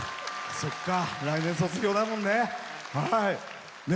そっか、来年卒業だもんね。